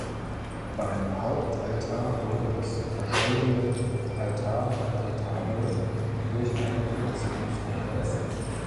Beim Hauptaltar wurde das verschollene Altarretabel durch eine Kreuzigungsgruppe ersetzt.